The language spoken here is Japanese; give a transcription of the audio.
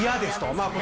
まあ